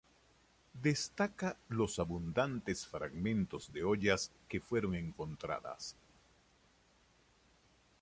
Destaca los abundantes fragmentos de ollas que fueron encontradas.